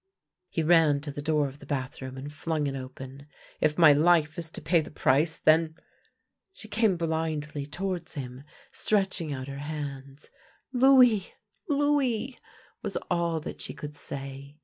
He ran to the door of the bathroom and flung it open, " If my life is to pay the price, then " She came blindly towards him, stretching out her hands. " Louis! Louis! " was all that she could say.